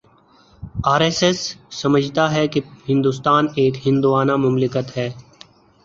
are S S سمجھتا ہے کہ ہندوستان ایک ہندووانہ مملکت ہے